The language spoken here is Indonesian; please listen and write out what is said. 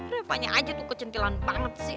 revanya aja tuh kecentilan banget sih